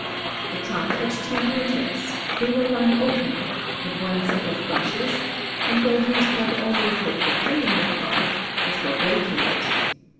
The truck had two motors; they were run open; had one set of brushes and were used not only for propelling the car but for braking it.